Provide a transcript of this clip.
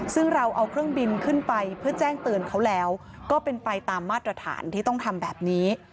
ซึ่งเราเอาเครื่องบินขึ้นไปเพื่อแจ้งเตือนเขาแล้วก็เป็นไปตามมาตรฐานที่ต้องทำแบบนี้